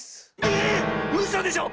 ええ⁉うそでしょ